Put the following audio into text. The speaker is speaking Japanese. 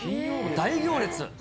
大行列。